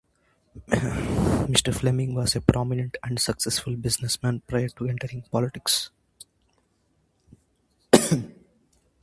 Mr. Fleming was a prominent and successful businessman prior to entering politics.